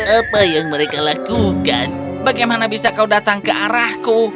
apa yang mereka lakukan bagaimana bisa kau datang ke arahku